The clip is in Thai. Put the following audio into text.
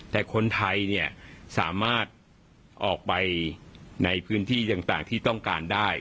แต่คนไทยเนี่ยสามารถออกไปในพื้นที่ต่างที่ต้องการได้